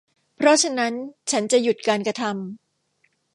เพราะฉะนั้นฉันจะหยุดการกระทำ